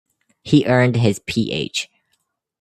He earned his Ph.